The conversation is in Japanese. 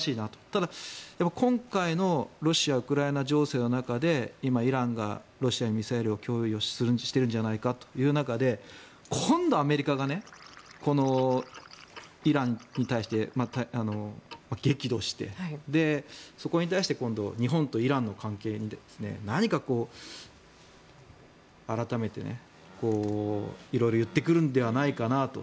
ただ、今回のロシア、ウクライナ情勢の中で今、イランがロシアにミサイルを供与してるんじゃないかという中で今度アメリカがこのイランに対して激怒してそこに対して今度、日本とイランの関係に何か改めて色々言ってくるんではないかなと。